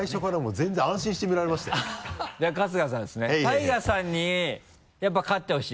ＴＡＩＧＡさんにやっぱり勝ってほしい。